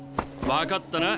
分かったな？